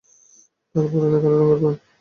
তার পরনে কালো রঙের প্যান্ট।